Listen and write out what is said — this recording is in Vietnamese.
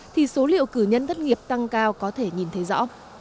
thì số liệu cử nhân thất nghiệp tăng cao có thể nhìn thấy rõ